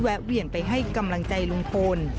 เวียนไปให้กำลังใจลุงพล